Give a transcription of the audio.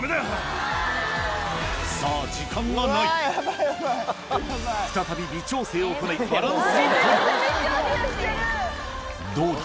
さぁ再び微調整を行いバランスをとるどうだ？